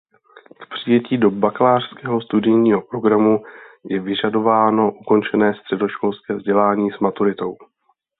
K přijetí do bakalářského studijního programu je vyžadováno ukončené středoškolské vzdělání s maturitou.